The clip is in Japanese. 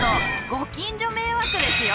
ご近所迷惑ですよ！